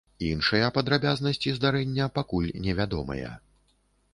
Іншыя падрабязнасці здарэння пакуль невядомыя.